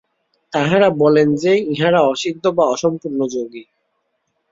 তাঁহারা বলেন যে, ইঁহারা অসিদ্ধ বা অসম্পূর্ণ যোগী।